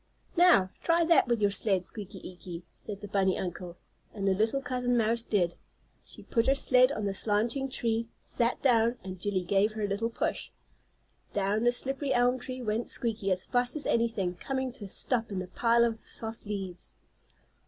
"Now, try that with your sled, Squeaky Eeky," said the bunny uncle. And the little cousin mouse did. She put her sled on the slanting tree, sat down and Jillie gave her a little push. Down the slippery elm tree went Squeaky as fast as anything, coming to a stop in a pile of soft leaves.